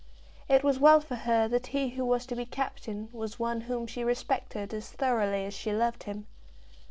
It was well for her that he who was to be captain was one whom she respected as thoroughly as she loved him.